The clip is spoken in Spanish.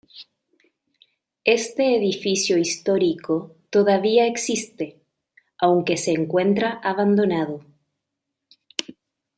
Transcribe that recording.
Este edificio histórico todavía existe, aunque se encuentra abandonado.